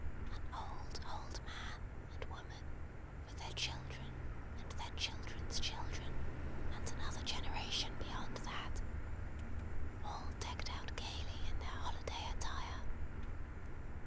An old, old man and woman, with their children and their children's children, and another generation beyond that, all decked out gaily in their holiday attire.